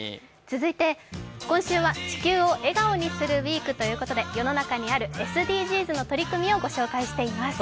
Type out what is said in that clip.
続いて今週は「地球を笑顔にするＷＥＥＫ」ということで世の中にあるＳＤＧｓの取り組みをご紹介しています。